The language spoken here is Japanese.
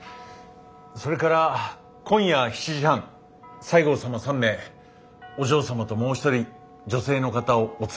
それから今夜７時半西郷様３名お嬢様ともう一人女性の方をお連れになっていらっしゃいます。